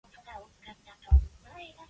The last one almost destroyed us.